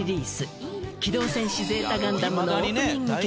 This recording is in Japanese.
『機動戦士Ｚガンダム』のオープニング曲。